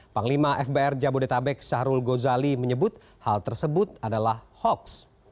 panglima fbr jabodetabek syahrul ghazali menyebut hal tersebut adalah hoax